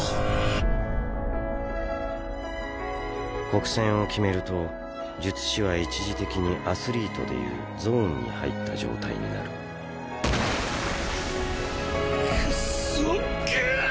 「黒閃」をきめると術師は一時的にアスリートで言うゾーンに入った状態になるクソが！